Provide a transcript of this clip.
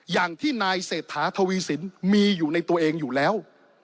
อย่างที่นายเศรษฐาทวีสินมีอยู่ในตัวเองอยู่แล้ว